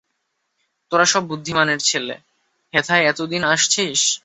তোরা সব বুদ্ধিমান ছেলে, হেথায় এত দিন আসছিস।